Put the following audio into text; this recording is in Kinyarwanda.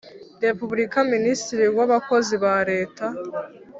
Repubulika Minisitiri w Abakozi ba Leta